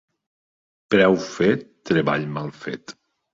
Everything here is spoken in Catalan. Preu fet, treball mal fet.